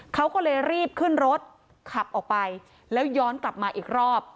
เขาก็เลยรีบขึ้นรถขับออกไปแล้วย้อนกลับมาอีกรอบ